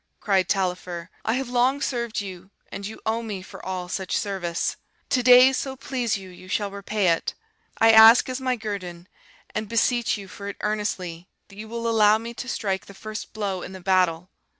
cried Taillefer; 'I have long served you, and you owe me for all such service. To day, so please you, you shall repay it. I ask as my guerdon, and beseech you for it earnestly, that you will allow me to strike the first blow in the battle!'